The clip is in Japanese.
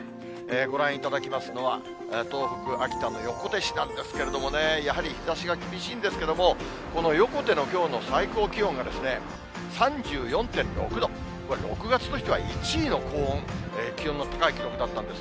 ご覧いただきますのは、東北、秋田の横手市なんですけれどもね、やはり日ざしが厳しいんですけれども、この横手のきょうの最高気温がですね、３４．６度、これ、６月としては１位の高温、気温の高い記録だったんです。